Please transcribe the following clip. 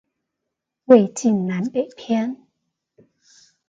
魏晉南北篇